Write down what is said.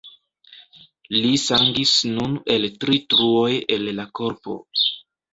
Li sangis nun el tri truoj el la korpo.